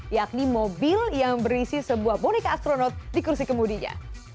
yakni mobil yang berisi sebuah boneka astronot di kursi kemudinya